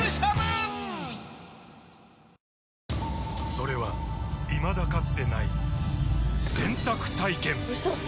それはいまだかつてない洗濯体験‼うそっ！